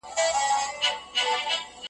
نه د جنډۍ په ننګولو د بابا سمېږي.